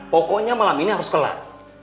pokoknya malam ini harus kelar